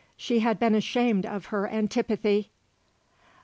She had been ashamed of her antipathy.